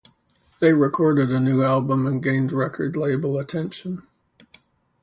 They recorded a new album and gained record label attention.